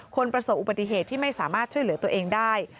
ประสบอุบัติเหตุที่ไม่สามารถช่วยเหลือตัวเองได้